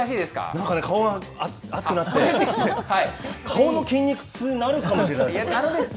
なんか顔が熱くなって、顔の筋肉痛、なるかもしれないですね。